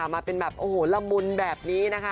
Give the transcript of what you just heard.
มาเป็นแบบโอ้โหละมุนแบบนี้นะคะ